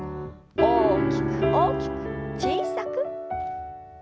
大きく大きく小さく。